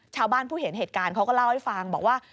ชาวบ้านผู้เห็นเหตุการณ์เขาก็เล่าให้ฟังบอกว่า